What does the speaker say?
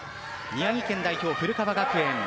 宮城県代表・古川学園